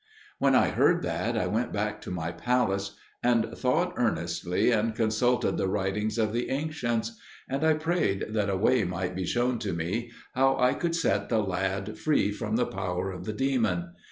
When I heard that, I went back to my palace, and thought earnestly, and consulted the writings of the ancients; and I prayed that a way might be shown to me how I could set the lad free from the power of the demon.